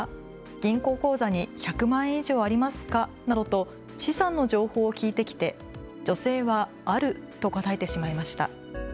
銀行口座に１００万円以上ありますかなどと資産の情報を聞いてきて女性はあると答えてしまいました。